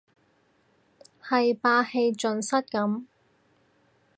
係霸氣盡失咁